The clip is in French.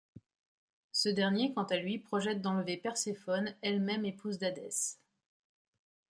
Ce dernier quant à lui projette d'enlever Perséphone elle-même, épouse d'Hadès.